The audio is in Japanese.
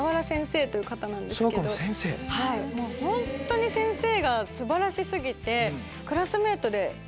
本当に先生が素晴らし過ぎて。